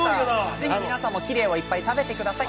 ぜひ皆さんもキレイをいっぱい食べてください